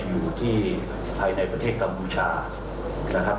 อยู่ที่ภายในประเทศกัมพูชานะครับ